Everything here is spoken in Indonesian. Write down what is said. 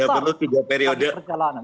tidak perlu tiga periode